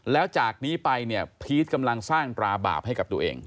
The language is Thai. แล้วจากนี้ไปเนี่ยพีชกำลังสร้างตราบาปให้กับตัวเอง